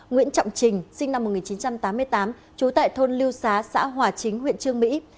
nguyễn trọng trình sinh năm một nghìn chín trăm tám mươi tám trú tại thôn liêu xá xã hòa chính huyện trương mỹ